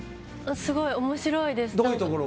すごい面白いです。